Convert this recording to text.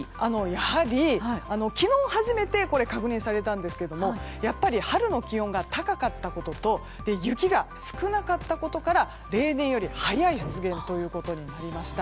やはり昨日初めてこれが確認されたんですけどもやっぱり春の気温が高かったことと雪が少なかったことから例年より早い出現となりました。